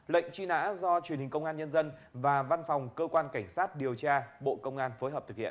lệnh truy nã do truyền hình công an nhân dân và văn phòng cơ quan cảnh sát điều tra bộ công an phối hợp thực hiện